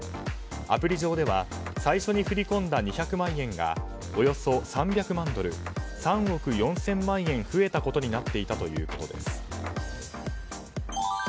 アプリ上では最初に振り込んだ２００万円がおよそ３００万ドル＝３億４００万円増えたことになっていたということです。